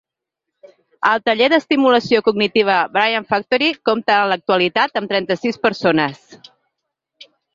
El taller d’estimulació cognitiva ‘Brain Factory’ compte en l’actualitat amb trenta-sis persones.